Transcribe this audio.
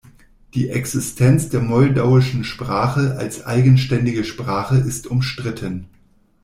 Die Existenz der moldauischen Sprache als eigenständige Sprache ist umstritten.